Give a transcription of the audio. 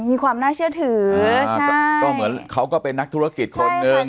มีความน่าเชื่อถือก็เหมือนเขาก็เป็นนักธุรกิจคนหนึ่ง